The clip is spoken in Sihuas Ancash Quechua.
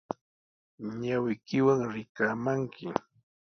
Ñawiykiwan rikaamanki